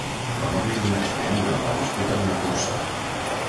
Va morir d'un accident durant la disputa d'una cursa.